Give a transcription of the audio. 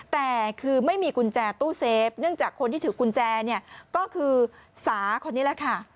แต่คือไม่มีกุญแจตู้เซฟเนื่องจากคนที่ถือกุญแจเนี่ยก็คือสาคนนี้แหละค่ะ